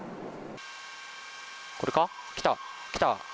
これか？来た、来た。